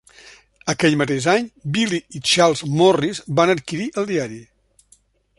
Aquell mateix any, Billy i Charles Morris van adquirir el diari.